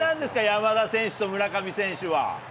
山田選手と村上選手は。